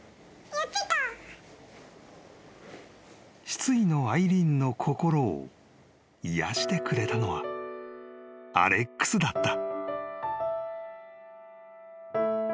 ［失意のアイリーンの心を癒やしてくれたのはアレックスだった］